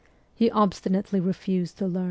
He obstinately refused to learn.